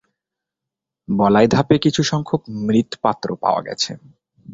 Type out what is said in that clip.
বলাই ধাপে কিছু সংখ্যক মৃৎপাত্র পাওয়া গেছে।